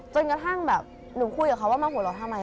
จนกระทั่งแบบหนูคุยกับเขาว่ามาหัวเราะทำไม